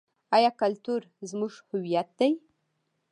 آیا کلتور زموږ هویت دی؟